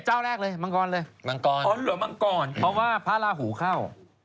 เจ้าแรกเลยมังกรเลยเพราะว่าพระราหูเข้า